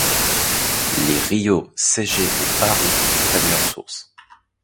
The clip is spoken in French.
Les ríos Seje et Parú y prennent leur source.